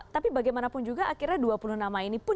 tapi bagaimanapun juga akhirnya dua puluh nama ini pun